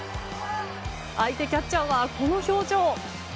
相手キャッチャーはこの表情。